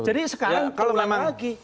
jadi sekarang mulai lagi